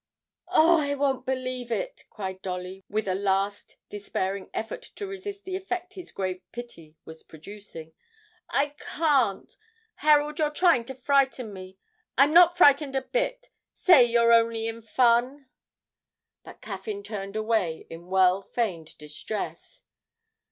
'Oh, I won't believe it,' cried Dolly, with a last despairing effort to resist the effect his grave pity was producing; 'I can't. Harold, you're trying to frighten me. I'm not frightened a bit. Say you are only in fun!' But Caffyn turned away in well feigned distress.